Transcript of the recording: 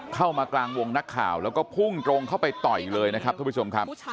เข้ามากลางวงนักข่าวแล้วก็พุ่งตรงเข้าไปต่อยเลยนะครับทุกผู้ชมครับ